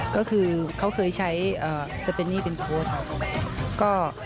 ก็คือเขาเคยใช้สเปนนี่เป็นโพสต์